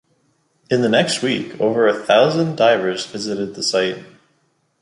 In the next week, over a thousand divers visited the site.